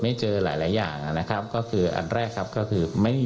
ไม่เจอหลายหลายอย่างนะครับก็คืออันแรกครับก็คือไม่มี